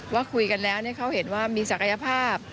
ว่าคุยกันแล้วเขาเห็นว่ามีศักยภาพ